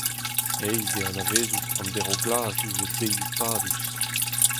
Aes eo anavezout an derv-glas diouzh o delioù padus.